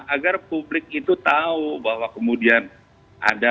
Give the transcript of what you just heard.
agar publik itu tahu bahwa kemudian ada